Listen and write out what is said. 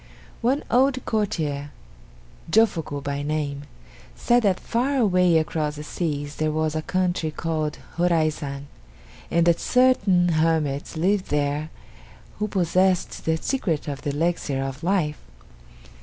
One old courtier, Jofuku by name, said that far away across the seas there was a country called Horaizan, and that certain hermits lived there who possessed the secret of the Elixir of Life.